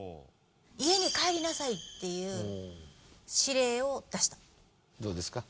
家に帰りなさいっていう指令を出したどうですか？